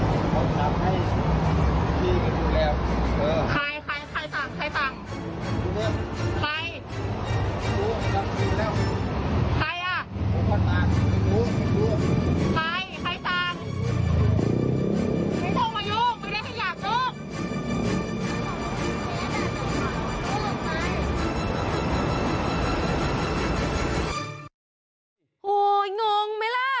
โอ๊ยงงไหมล่ะ